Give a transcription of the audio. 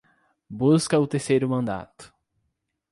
Busca o terceiro mandato